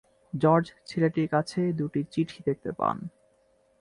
George ছেলেটির কাছে দুটি চিঠি দেখতে পান।